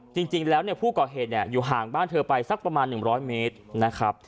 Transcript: จริงแล้วผู้ก่อเหตุอยู่ห่างบ้านเธอไปสักประมาณ๑๐๐เมตรนะครับ